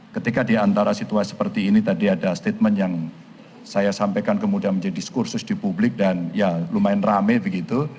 ketika di antara situasi seperti ini tadi ada statement yang saya sampaikan kemudian menjadi diskursus di publik dan ya lumayan rame begitu